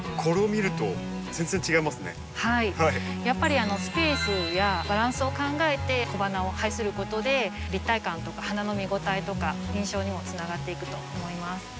やっぱりスペースやバランスを考えて小花を配することで立体感とか花の見応えとか印象にもつながっていくと思います。